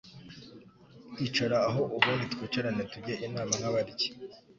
icara aho ubundi twicarane tujye inama nkabaryi